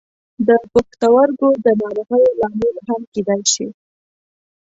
د پښتورګو د ناروغیو لامل هم کیدای شي.